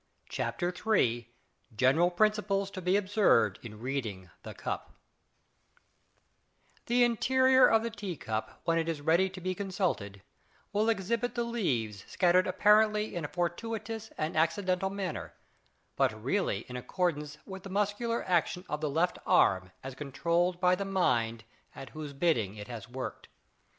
CHAPTER III GENERAL PRINCIPLES TO BE OBSERVED IN READING THE CUP The interior of the tea cup when it is ready to be consulted will exhibit the leaves scattered apparently in a fortuitous and accidental manner, but really in accordance with the muscular action of the left arm as controlled by the mind at whose bidding it has worked.